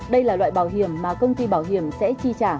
đây là loại bảo hiểm mà công ty bảo hiểm sẽ chi trả